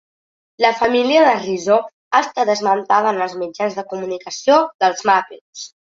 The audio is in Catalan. La família de Rizzo ha estat esmentada en els mitjans de comunicació dels Muppets.